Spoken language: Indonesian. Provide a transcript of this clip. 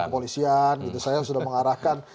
polisian saya sudah mengarahkan